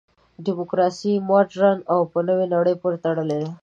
دیموکراسي مډرنه او په نوې نړۍ پورې تړلې ده.